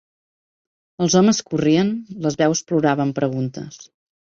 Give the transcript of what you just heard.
Els homes corrien, les veus ploraven preguntes.